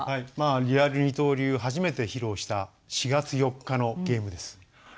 リアル二刀流を初めて披露した４月４日のゲームです。